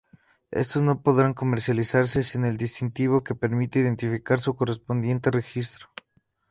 Estos no podrán comercializarse sin el distintivo que permita identificar su correspondiente registro.